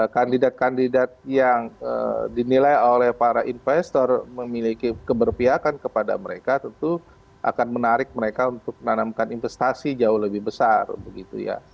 kandidat kandidat yang dinilai oleh para investor memiliki keberpihakan kepada mereka tentu akan menarik mereka untuk menanamkan investasi jauh lebih besar begitu ya